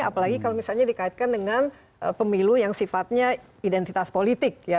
apalagi kalau misalnya dikaitkan dengan pemilu yang sifatnya identitas politik ya